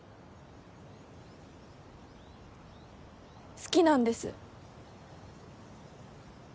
好きなんです。